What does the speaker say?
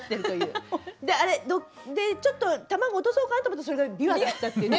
でちょっと卵落とそうかなと思うとそれがびわだったっていうね。